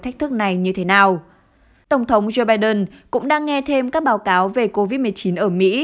thách thức này như thế nào tổng thống joe biden cũng đang nghe thêm các báo cáo về covid một mươi chín ở mỹ